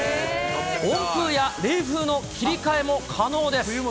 温風や冷風の切り替えも可能です。